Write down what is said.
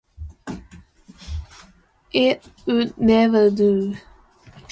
It would never do.